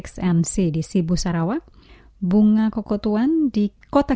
hanya dalam damai tuhan ku ada